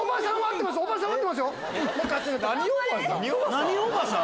何おばさん？